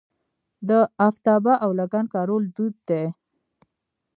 د افتابه او لګن کارول دود دی.